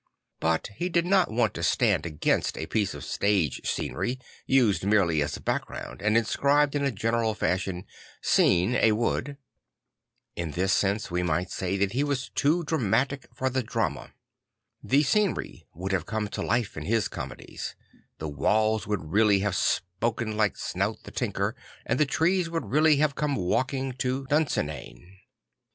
But he did not want to stand against a piece of stage scenery used merely as a background, and inscribed in a general fashion: II Scene; a wood." In this sense we might sa y that he was too drama tic for the drama. The scenery would have come to life in his comedies; the walls would really have spoken like Snout the Tinker and the trees would really have come walking to Dunsinane.